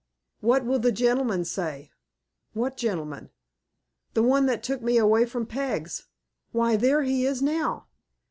"What will the gentleman say?" "What gentleman?" "The one that took me away from Peg's. Why, there he is now!"